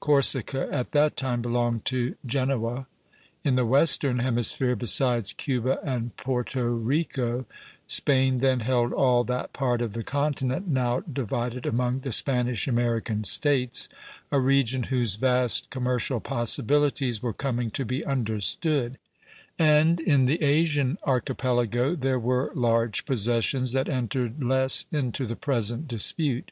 Corsica at that time belonged to Genoa. In the western hemisphere, besides Cuba and Porto Rico, Spain then held all that part of the continent now divided among the Spanish American States, a region whose vast commercial possibilities were coming to be understood; and in the Asian archipelago there were large possessions that entered less into the present dispute.